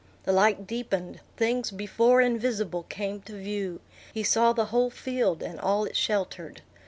The light deepened; things before invisible came to view; he saw the whole field, and all it sheltered.